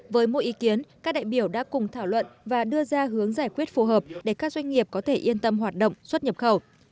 với mỗi ý kiến các đại biểu đã cùng thảo luận và đưa ra hướng giải quyết phù hợp để các doanh nghiệp có thể yên tâm hoạt động xuất nhập khẩu